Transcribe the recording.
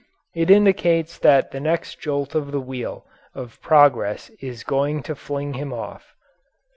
It indicates that the next jolt of the wheel of progress is going to fling him off.